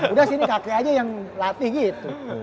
udah sini kakek aja yang latih gitu